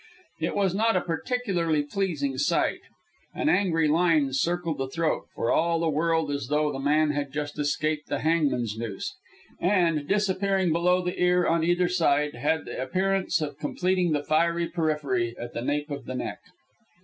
It was not a particularly pleasing sight. An angry line circled the throat for all the world as though the man had just escaped the hangman's noose and, disappearing below the ear on either side, had the appearance of completing the fiery periphery at the nape of the neck.